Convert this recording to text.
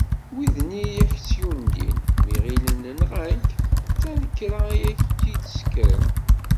Wid-nni i ak-tt-yundin, mi ɣilen nɣan-k, d tanekra ay ak-id-ssekren.